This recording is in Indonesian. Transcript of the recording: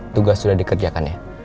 tugas sudah dikerjakan ya